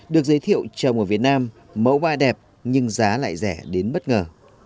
được giới thiệu trồng ở việt nam mẫu ba đẹp nhưng giá lại rẻ đến bất ngờ